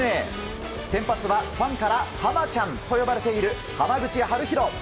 先発はファンからハマちゃんと呼ばれている濱口遥大。